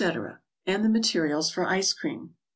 48 etc.; and the materials for ice cream.